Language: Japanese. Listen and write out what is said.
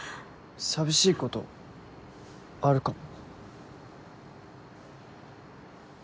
寂しいことあるかも。